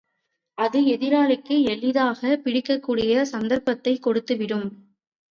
அது எதிராளிக்கு எளிதாகப் பிடிக்கக்கூடிய சந்தர்ப்பத்தைக் கொடுத்துவிடும்.